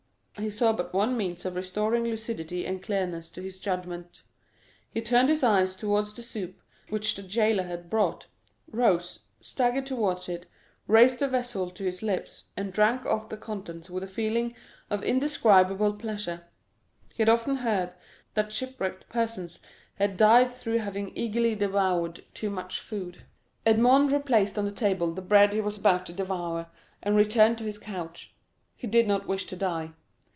He saw but one means of restoring lucidity and clearness to his judgment. He turned his eyes towards the soup which the jailer had brought, rose, staggered towards it, raised the vessel to his lips, and drank off the contents with a feeling of indescribable pleasure. He had the resolution to stop with this. He had often heard that shipwrecked persons had died through having eagerly devoured too much food. Edmond replaced on the table the bread he was about to devour, and returned to his couch—he did not wish to die.